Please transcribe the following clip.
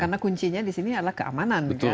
karena kuncinya di sini adalah keamanan